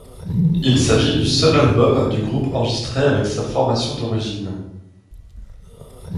Il s'agit du seul album du groupe enregistré avec sa formation d'origine.